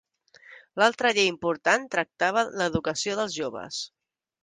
L'altra llei important tractava l'educació dels joves.